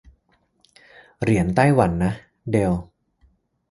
เหรียญไต้หวันนะ เดล